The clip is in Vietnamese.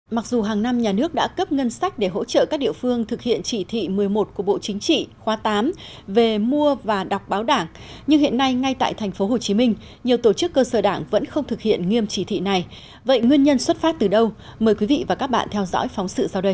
mặc dù hàng năm nhà nước đã cấp ngân sách để hỗ trợ các địa phương thực hiện chỉ thị một mươi một của bộ chính trị khóa tám về mua và đọc báo đảng nhưng hiện nay ngay tại tp hcm nhiều tổ chức cơ sở đảng vẫn không thực hiện nghiêm chỉ thị này vậy nguyên nhân xuất phát từ đâu mời quý vị và các bạn theo dõi phóng sự sau đây